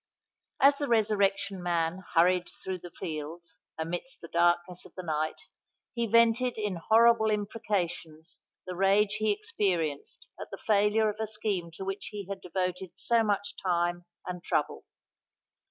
As the Resurrection Man hurried through the fields, amidst the darkness of the night, he vented in horrible imprecations the rage he experienced at the failure of a scheme to which he had devoted so much time and trouble.